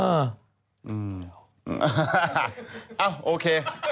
เอ้าโอเค